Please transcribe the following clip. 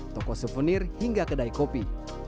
toko souvenir hingga kedai kopi